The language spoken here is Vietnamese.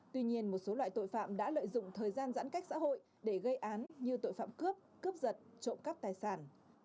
tuy nhiên một số loại tội phạm đã lợi dụng thời gian giãn cách xã hội để gây án như tội phạm cướp cướp giật trộm cắp tài sản